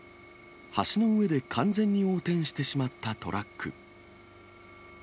橋の上で完全に横転してしまったトラック。